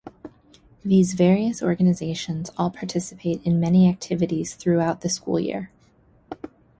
These various organizations all participate in many activities throughout the school year.